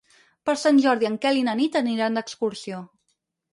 Per Sant Jordi en Quel i na Nit aniran d'excursió.